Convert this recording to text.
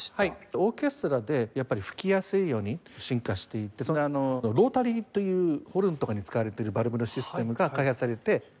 オーケストラで吹きやすいように進化していってロータリーというホルンとかに使われているバルブのシステムが開発されて。